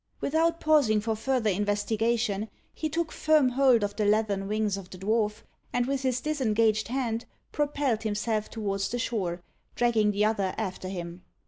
Without pausing for further investigation, he took firm hold of the leathern wings of the dwarf, and with his disengaged hand propelled himself towards the shore, dragging the other after him.